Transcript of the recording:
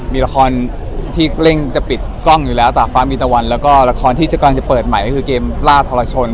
มีละครที่เร่งจะปิดกล้องอยู่แล้วตากฟ้ามีตะวันแล้วก็ละครที่จะกำลังจะเปิดใหม่ก็คือเกมล่าทรชน